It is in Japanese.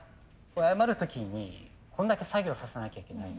これ謝る時にこんだけ作業させなきゃいけない。